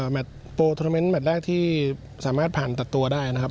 โปรโทรเมนต์แมทแรกที่สามารถผ่านตัดตัวได้นะครับ